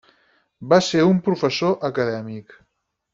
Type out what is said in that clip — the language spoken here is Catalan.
Va ser un professor acadèmic.